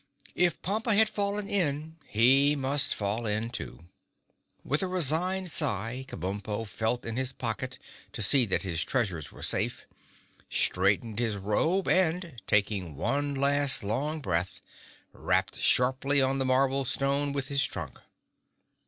If Pompa had fallen in he must fall in too. With a resigned sigh, Kabumpo felt in his pocket to see that his treasures were safe, straightened his robe and, taking one last long breath, rapped sharply on the marble stone with his trunk.